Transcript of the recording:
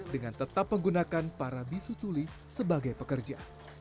dengan tetap menggunakan para bisu tuli sebagai pekerja